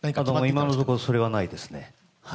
今のところそれはないですね。